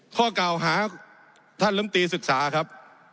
ข้อกล่าวหาท่านลำตีศึกษาครับ